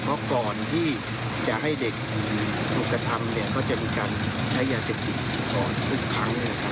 เพราะก่อนที่จะให้เด็กลุกธรรมเนี่ยก็จะมีการใช้ยาเสพหยิบก่อนทุกครั้งเนี่ยครับ